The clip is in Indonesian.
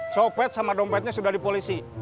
copet sama dompetnya sudah dipolisi